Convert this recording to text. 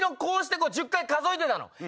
こうして１０回数えてたの？